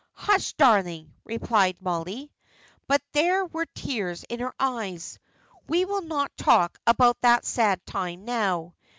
"Hush, darling," replied Mollie; but there were tears in her eyes. "We will not talk about that sad time now.